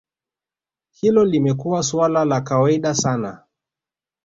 Hilo limekuwa suala la kawaida sana